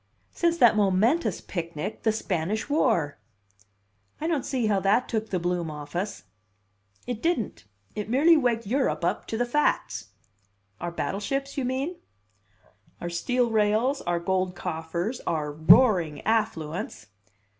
"Since that momentous picnic, the Spanish War!" "I don't see how that took the bloom off us." "It didn't. It merely waked Europe up to the facts." "Our battleships, you mean?" "Our steel rails, our gold coffers, our roaring affluence."